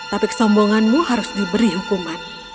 tapi kesombonganmu harus diberi hukuman